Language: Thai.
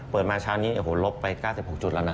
เปิดมาเช้านี้ลบไป๙๖จุดแล้วนะ